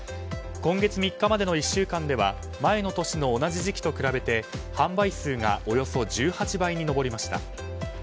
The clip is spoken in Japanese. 今月３日までの１週間では前の年の同じ時期に比べて販売数がおよそ１８倍に上りました。